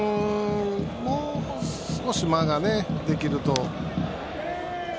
もう少し間ができると。